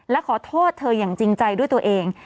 และขอโทษเธออย่างจริงใจด้วยตัวเอง